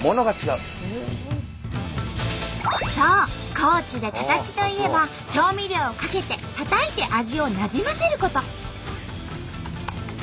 高知でタタキといえば調味料をかけてたたいて味をなじませること。